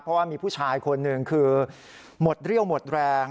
เพราะว่ามีผู้ชายคนหนึ่งคือหมดเรี่ยวหมดแรง